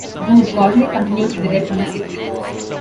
Godley continued to direct music videos.